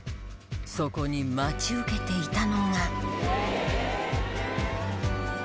そこに待ち受けていたのが。